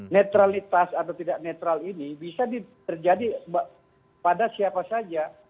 netralitas atau tidak netral ini bisa terjadi pada siapa saja